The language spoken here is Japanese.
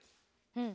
うん。